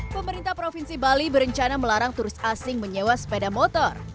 pemerintah provinsi bali berencana melarang turis asing menyewa sepeda motor